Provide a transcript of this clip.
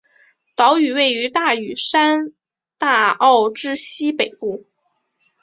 岛屿位于大屿山大澳之西北部。